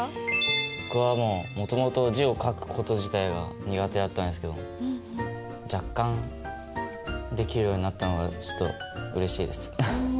僕はもともと字を書く事自体が苦手だったんですけど若干できるようになったのがちょっとうれしいです。